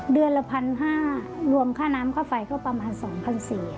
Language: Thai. เดือนละ๑๕๐๐รวมค่าน้ำค่าไฟก็ประมาณ๒๔๐๐บาท